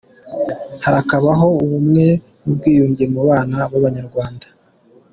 harakabaho ubumwe n’ubwiyunjye mu bana b’abanyarwanda.